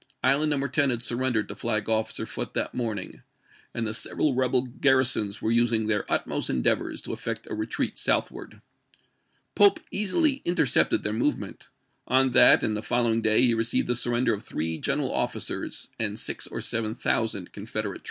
Island No. 10 had surrendered is^rVn. to Flag officer Foote that morning, and the several v. c69. " rebel garrisons were using their utmost endeavors to effect a retreat southward. Pope easily inter cepted their movement ; on that and the following Haueck, day he received the surrender of three general iget^^^k officers and six or seven thousand Confederate p!